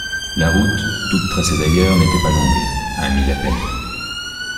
La route, toute tracée d’ailleurs, n’était pas longue, — un mille à peine.